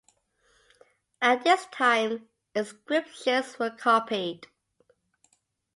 At this time inscriptions were copied.